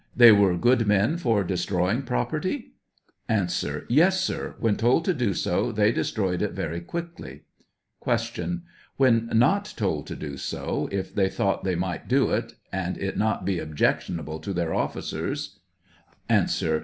They were good men for destroying property ? .83 A. Yes, sir; when told to do so, they destroyed it very quickly. Q. When not told to do so, if they thought they might do it and it not bo objectionable to their officers A. .